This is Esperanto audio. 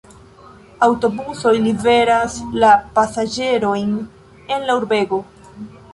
Aŭtobusoj liveras la pasaĝerojn en la urbego.